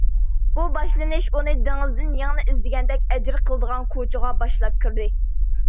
بۇ باشلىنىش ئۇنى دېڭىزدىن يىڭنە ئىزدىگەندەك ئەجىر قىلىدىغان كوچىغا باشلاپ كىردى.